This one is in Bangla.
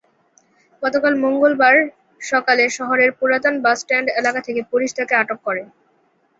গতকাল মঙ্গলবার সকালে শহরের পুরাতন বাসস্ট্যান্ড এলাকা থেকে পুলিশ তাঁকে আটক করে।